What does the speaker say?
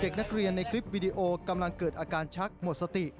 เด็กนักเรียนในคลิปวิดีโอกำลังเกิดอาการชักหมดสติ